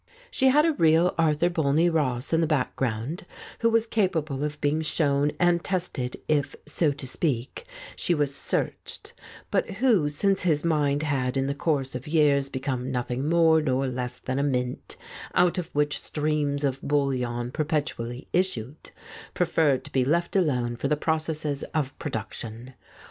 She had a real Arthur Bolney Ross in the background, who was capable of being shown and tested, if, so to speak, she was "searched," but who, since his mind had in the course of years become nothing more nor less than a mint, out of which streams of bullion perpetually issued, preferred to be left alone for the processes of production.